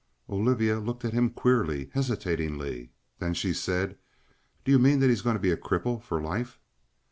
Olivia looked at him queerly, hesitating. Then she said: "Do you mean that he's going to be a cripple for life?"